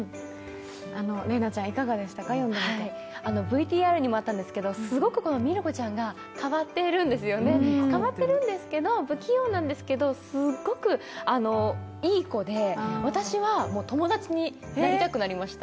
ＶＴＲにもあったんですけど、すごく海松子ちゃんが変わっているんですよね、変わっているんですけど、不器用なんですけど、すごくいい子で、私は友達になりたくなりました。